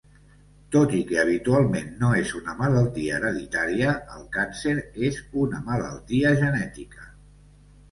Tot i que habitualment no és una malaltia hereditària, el càncer és una malaltia genètica.